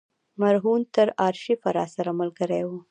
مرهون تر آرشیفه راسره ملګری و.